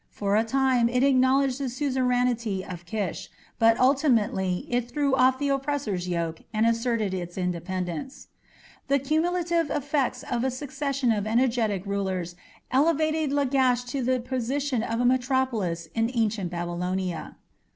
For a time it acknowledged the suzerainty of Kish, but ultimately it threw off the oppressor's yoke and asserted its independence. The cumulative efforts of a succession of energetic rulers elevated Lagash to the position of a metropolis in Ancient Babylonia.